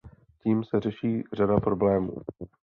Tím se řeší řada problémů.